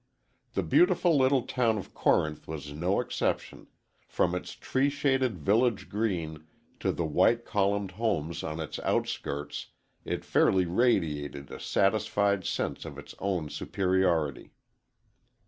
The beautiful little town of Corinth was no exception; from its tree shaded village green to the white columned homes on its outskirts it fairly radiated a satisfied sense of its own superiority.